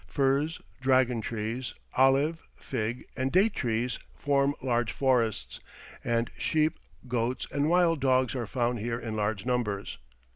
Firs, dragon trees, olive, fig, and date trees form large forests, and sheep, goats, and wild dogs are found here in large numbers.